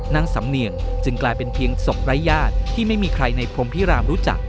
นางสำเนียงจึงกลายเป็นเพียงศพไร้ญาติที่ไม่มีใครในพรมพิรามรู้จัก